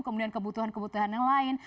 kemudian kebutuhan kebutuhan yang lain